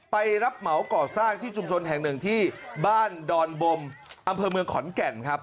รับเหมาก่อสร้างที่ชุมชนแห่งหนึ่งที่บ้านดอนบมอำเภอเมืองขอนแก่นครับ